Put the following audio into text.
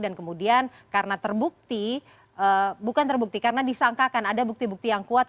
dan kemudian karena terbukti bukan terbukti karena disangkakan ada bukti bukti yang kuat